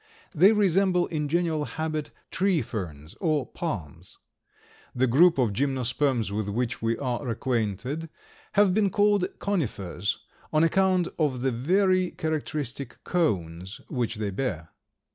They resemble in general habit tree ferns, or palms. The group of Gymnosperms with which we are acquainted have been called Conifers on account of the very characteristic cones which they bear.